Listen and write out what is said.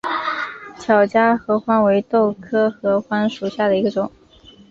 巧家合欢为豆科合欢属下的一个种。